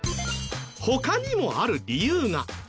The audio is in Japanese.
他にもある理由が。